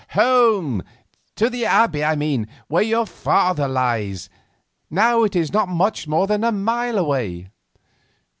"Home; to the Abbey, I mean, where your father lies. Now it is not much more than a mile away."